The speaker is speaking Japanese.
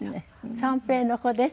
三平の子です。